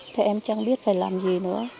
thì em chẳng biết phải làm gì nữa